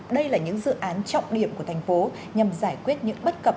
đây là những dự án trọng điểm của thành phố nhằm giải quyết những bất cập